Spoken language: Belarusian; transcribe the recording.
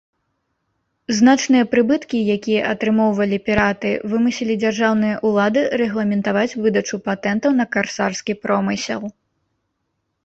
Значныя прыбыткі, якія атрымоўвалі піраты, вымусілі дзяржаўныя ўлады рэгламентаваць выдачу патэнтаў на карсарскі промысел.